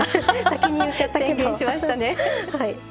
はい。